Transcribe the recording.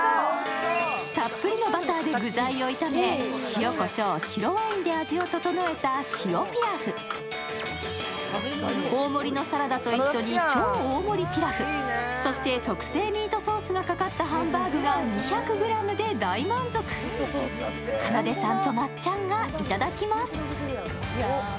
たっぷりのバターで具材を炒め塩コショウ白ワインで味を調えた塩ピラフ大盛りのサラダと一緒に超大盛りピラフそして特製ミートソースがかかったハンバーグが２００ｇで大満足かなでさんとまっちゃんがいただきます